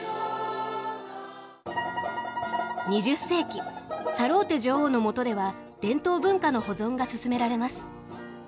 ２０世紀サローテ女王のもとでは伝統文化の保存が進められます。